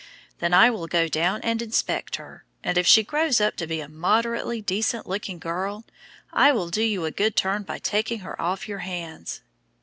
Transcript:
Then I will go down and inspect her, and if she grows up to be a moderately decent looking girl, I will do you a good turn by taking her off your hands.